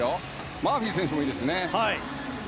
マーフィー選手もいいですね。